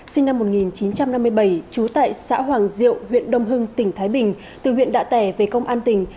sinh năm một nghìn chín trăm năm mươi bảy trú tại xã hoàng diệu huyện đông hưng tỉnh thái bình từ huyện đạ tẻ về công an tỉnh